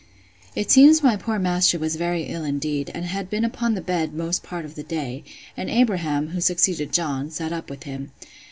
It seems my poor master was very ill indeed, and had been upon the bed most part of the day; and Abraham (who succeeded John) sat up with him.